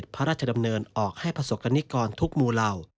พระราชดำเนินออกให้ประสบกรณิกรทุกหมู่เหล่า